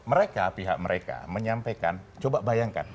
mereka pihak mereka menyampaikan coba bayangkan